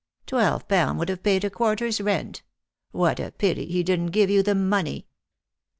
Twelve pound would have paid a quarter's rent. What a pity he didn't give you the money